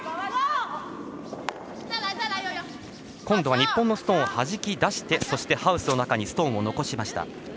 今度は日本のストーンをはじき出してそして、ハウスの中にストーンを残しました。